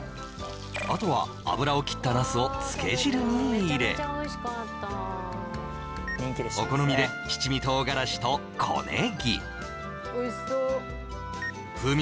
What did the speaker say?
あとは油を切ったナスを漬け汁に入れお好みで七味唐辛子と小ネギ風味